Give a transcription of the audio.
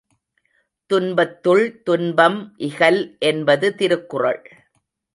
துன்பத்துள் துன்பம் இகல் என்பது திருக்குறள்.